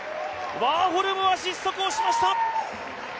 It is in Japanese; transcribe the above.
ワーホルムは失速をしました。